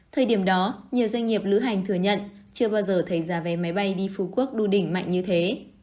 thời điểm đó nhiều doanh nghiệp lữ hành thừa nhận chưa bao giờ thấy giá vé máy bay đi phú quốc đu đỉnh mạnh như thế